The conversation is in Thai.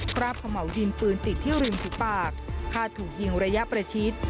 ราบขม่าวยิงปืนติดที่ริมฝีปากฆ่าถูกยิงระยะประชิด